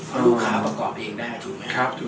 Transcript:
เพราะลูกค้าประกอบเองได้ถูกไหมครับ